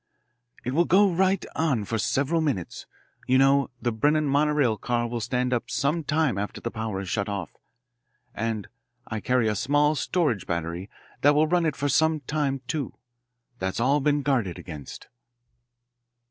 "It will go right on for several minutes. You know, the Brennan monorail car will stand up some time after the power is shut off. And I carry a small storage battery that will run it for some time, too. That's all been guarded against."